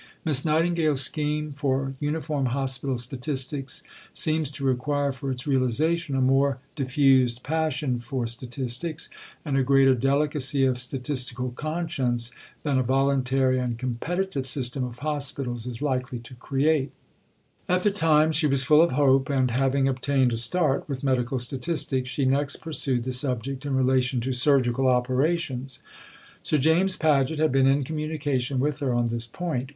Miss Nightingale's scheme for Uniform Hospital Statistics seems to require for its realization a more diffused passion for statistics and a greater delicacy of statistical conscience than a voluntary and competitive system of hospitals is likely to create. See Bibliography A, No. 28. At the time she was full of hope, and, having obtained a start with medical statistics, she next pursued the subject in relation to surgical operations. Sir James Paget had been in communication with her on this point.